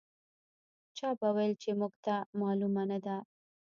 چا به ویل چې موږ ته معلومه نه ده.